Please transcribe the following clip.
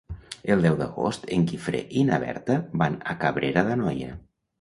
El deu d'agost en Guifré i na Berta van a Cabrera d'Anoia.